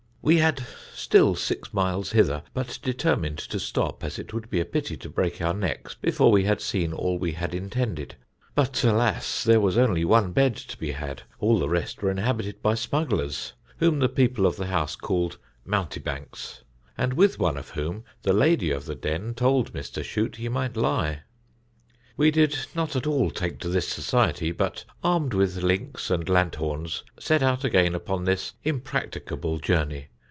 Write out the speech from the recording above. We had still six miles hither, but determined to stop, as it would be a pity to break our necks before we had seen all we had intended. But, alas! there was only one bed to be had: all the rest were inhabited by smugglers, whom the people of the house called mountebanks; and with one of whom the lady of the den told Mr. Chute he might lie. We did not at all take to this society, but, armed with links and lanthorns, set out again upon this impracticable journey.